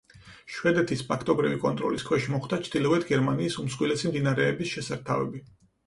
შვედეთის ფაქტობრივი კონტროლის ქვეშ მოხვდა ჩრდილოეთ გერმანიის უმსხვილესი მდინარეების შესართავები.